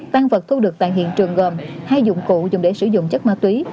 tăng vật thu được tại hiện trường gồm hai dụng cụ dùng để sử dụng chất ma túy